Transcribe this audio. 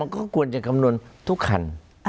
ก็ควรจะคำนวณทุกคัน